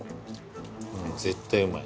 絶対うまい。